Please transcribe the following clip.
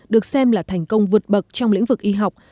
được xem là thành công vượt bậc trong lĩnh vực y học